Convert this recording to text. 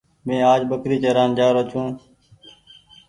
مينٚ آج ٻڪري چران جآرو ڇوٚنٚ